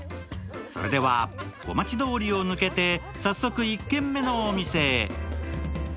それでは小町通りを抜けて、早速１軒目のお店へ。